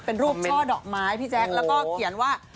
เป็นรูปช่อดอกไม้พี่แจ๊คแล้วก็เขียนว่า